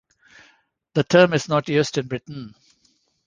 The term is not used in Britain.